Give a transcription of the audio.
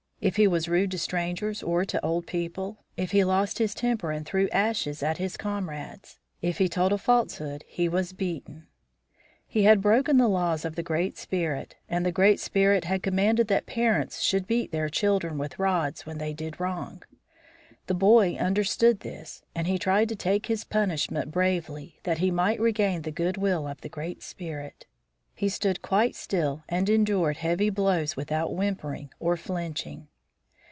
If he was rude to strangers or to old people; if he lost his temper and threw ashes at his comrades; if he told a falsehood, he was beaten. He had broken the laws of the Great Spirit, and the Great Spirit had commanded that parents should beat their children with rods when they did wrong. The boy understood this and he tried to take his punishment bravely that he might regain the good will of the Great Spirit. He stood quite still and endured heavy blows without whimpering or flinching.